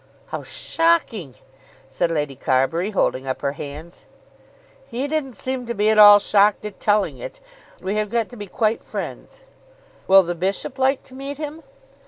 "How shocking!" said Lady Carbury, holding up her hands. "He didn't seem to be at all shocked at telling it. We have got to be quite friends." "Will the bishop like to meet him?"